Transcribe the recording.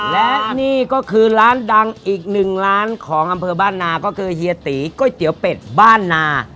และนี่ก็คือร้านดังอีกหนึ่งร้านของอำเภอบ้านนาก็คือเฮียตีก๋วยเตี๋ยวเป็ดบ้านนา